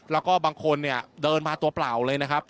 แล้วก็บางคนเนี่ยเดินมาตัวเปล่าเลยนะครับ